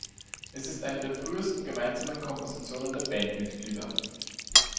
Es ist eine der frühesten gemeinsamen Kompositionen der Bandmitglieder.